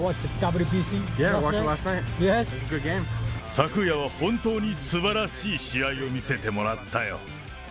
昨夜は本当にすばらしい試合を見せてもらったよ。